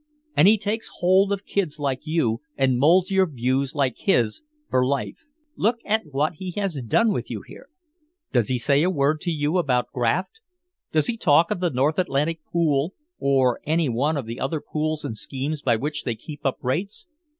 And he takes hold of kids like you and molds your views like his for life. Look at what he has done with you here. Does he say a word to you about Graft? Does he talk of the North Atlantic Pool or any one of the other pools and schemes by which they keep up rates?